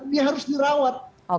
ini harus dirawat